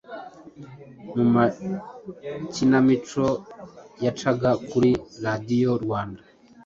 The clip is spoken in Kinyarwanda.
mu makinamico yacaga kuri radiyo Rwanda.